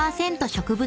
植物